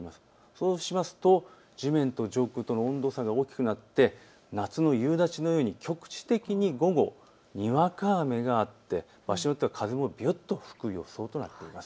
そうしますと地面と上空との温度差が大きくなって夏の夕立のように局地的に午後、にわか雨があって場所によっては風もぴゅーっと吹く予想となっています。